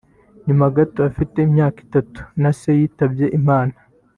nyuma gato afite imyaka itanu na se yitabye Imana